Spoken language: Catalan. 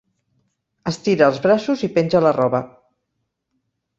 Estira els braços i penja la roba.